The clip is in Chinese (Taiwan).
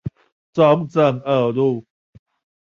中正二路